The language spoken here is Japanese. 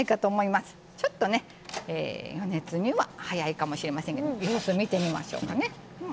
ちょっとね余熱には早いかもしれませんけど様子見てみましょうかね。